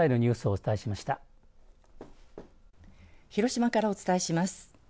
広島からお伝えします。